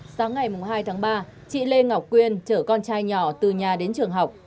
sáng ngày hai tháng ba chị lê ngọc quyên chở con trai nhỏ từ nhà đến trường học